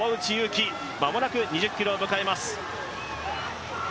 間もなくあ２０ｋｍを迎えます。